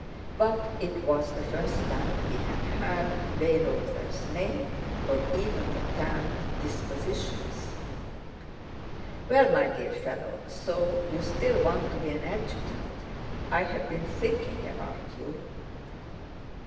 But it was the first time he had heard Weyrother's name, or even the term "dispositions." "Well, my dear fellow, so you still want to be an adjutant? I have been thinking about you."